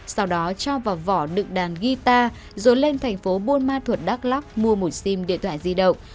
sau đó cho vào vỏ đựng đàn guitar rồi lên thành phố buôn ma thuật đắk lắc mua một sim điện thoại di động